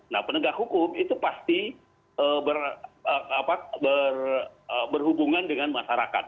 nah penegak hukum itu pasti berhubungan dengan masyarakat